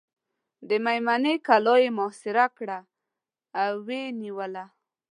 د مېمنې کلا یې محاصره کړه او ویې نیوله.